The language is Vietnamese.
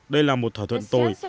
đây là một thỏa thuận tồi